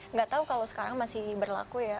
nggak tahu kalau sekarang masih berlaku ya